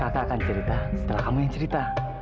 kakak akan cerita setelah kamu yang cerita